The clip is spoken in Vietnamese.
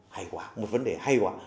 hay quá một vấn đề hay quá